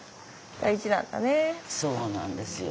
そうなんですよ。